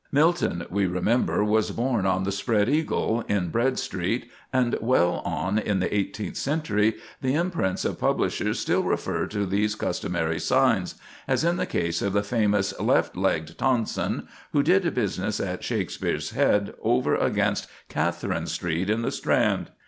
Milton, we remember, was born at the Spread Eagle, in Bread Street, and well on in the eighteenth century the imprints of publishers still refer to these customary signs; as in the case of the famous "left legged Tonson," who did business at "Shakespeare's Head, over against Catherine Street, in the Strand."